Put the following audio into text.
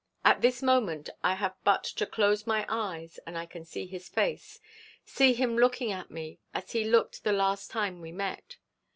At this moment I have but to close my eyes and I can see his face see him looking at me as he looked the last time we met.